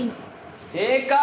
正解！